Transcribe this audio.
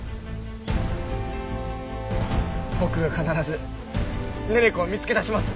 僕が必ず寧々子を見つけ出します。